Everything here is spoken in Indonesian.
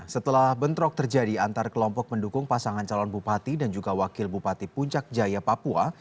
setelah bentrok terjadi antar kelompok mendukung pasangan calon bupati dan juga wakil bupati puncak jaya papua